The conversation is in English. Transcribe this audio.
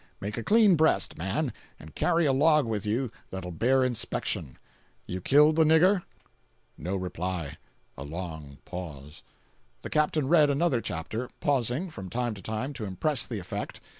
Make a clean breast, man, and carry a log with you that'll bear inspection. You killed the nigger?" 358.jpg (61K) No reply. A long pause. The captain read another chapter, pausing, from time to time, to impress the effect.